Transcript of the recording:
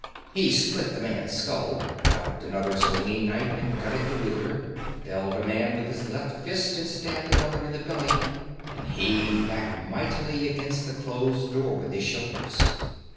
He split the man's skull ducked another swinging knife and gutted the wielder felled a man with his left fist and stabbed another in the belly and heaved back mightily against the closed door with his shoulders.